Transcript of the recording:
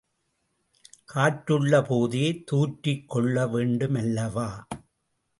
காற்றுள்ள போதே துாற்றிக் கொள்ள வேண்டுமல்லவா?